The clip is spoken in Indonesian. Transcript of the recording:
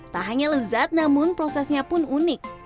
tak hanya lezat namun prosesnya pun unik